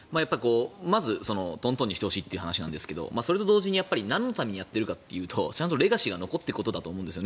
まず、トントンにしてほしいという話なんですがそれと同時に、なんのためにやっているかというとちゃんとレガシーが残っていくことだと思うんです。